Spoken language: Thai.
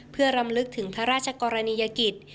เพื่อรำลึกถึงพระราชกรณียกิจ